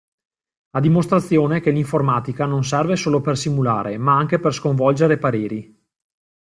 A dimostrazione che l'informatica non serve solo per simulare ma anche per sconvolgere pareri.